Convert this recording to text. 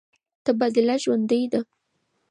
تبادله ژوند دی.